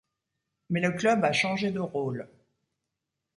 Mais le club a changé de rôle.